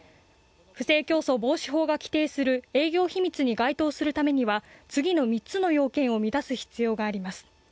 不正競争防止法が規定する営業秘密に該当するためには次の３つの要件を満たす必要があります。